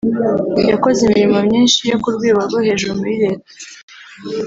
yakoze imirimo myinshi yo ku rwego rwo hejuru muri Leta